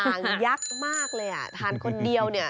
งยักษ์มากเลยอ่ะทานคนเดียวเนี่ย